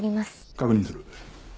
確認する。